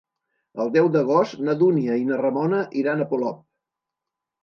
El deu d'agost na Dúnia i na Ramona iran a Polop.